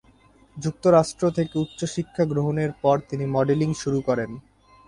যুক্তরাষ্ট্র থেকে উচ্চশিক্ষা গ্রহণের পর তিনি মডেলিং শুরু করেন।